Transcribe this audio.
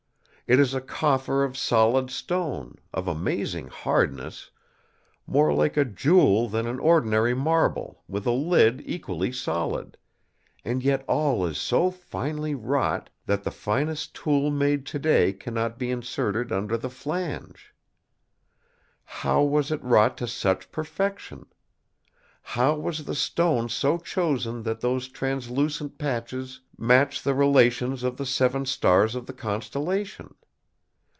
It is a coffer of solid stone, of amazing hardness, more like a jewel than an ordinary marble, with a lid equally solid; and yet all is so finely wrought that the finest tool made today cannot be inserted under the flange. How was it wrought to such perfection? How was the stone so chosen that those translucent patches match the relations of the seven stars of the constellation?